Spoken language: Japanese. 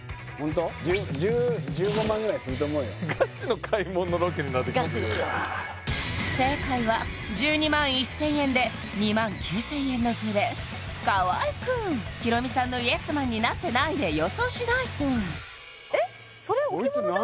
１５万ぐらいすると思うよのロケになってもうてる正解は１２万１０００円で２万９０００円のズレ河合くんヒロミさんのイエスマンになってないで予想しないと何これ？